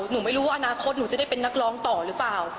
หนูไม่รู้ว่าอนาคตหนูจะได้เป็นนักร้องต่อหรือเปล่า